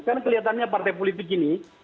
karena kelihatannya partai politik ini